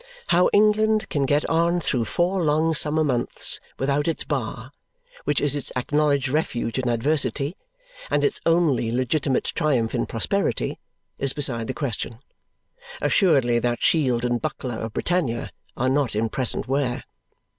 How England can get on through four long summer months without its bar which is its acknowledged refuge in adversity and its only legitimate triumph in prosperity is beside the question; assuredly that shield and buckler of Britannia are not in present wear.